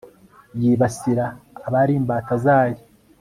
yibasira abari imbata zayo